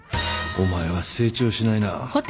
お前は成長しないな。